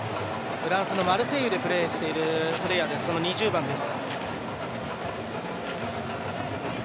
フランスのマルセイユでプレーしているプレーヤー２０番です。